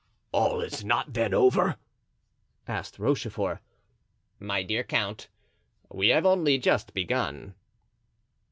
"All is not then over?" asked Rochefort. "My dear count, we have only just begun."